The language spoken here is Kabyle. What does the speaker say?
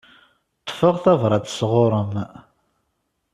Ṭṭfeɣ tabrat sɣuṛ-m.